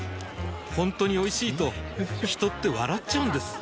ほんとにおいしいと人って笑っちゃうんです